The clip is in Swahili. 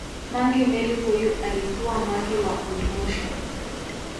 Mangi Meli huyu alikuwa mangi wa waoldmoshi